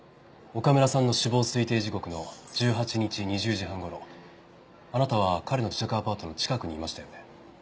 岡村さんの死亡推定時刻の１８日２０時半頃あなたは彼の自宅アパートの近くにいましたよね？